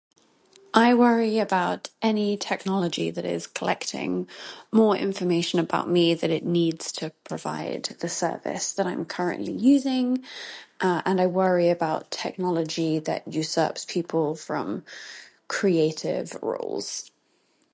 I worry about any technology that is collecting more information about me than it needs to provide the service that I am currently using and I worry about technology that use ups people from creative roles